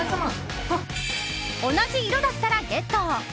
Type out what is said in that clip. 同じ色だったらゲット！